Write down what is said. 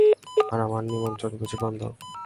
আর আমার নিমন্ত্রণ বুঝি বন্ধ?